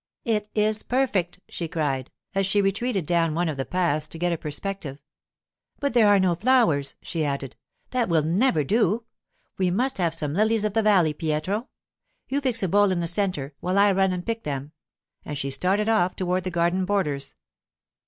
'It is perfect,' she cried, as she retreated down one of the paths to get a perspective. 'But there are no flowers,' she added. 'That will never do; we must have some lilies of the valley, Pietro. You fix a bowl in the centre, while I run and pick them,' and she started off toward the garden borders.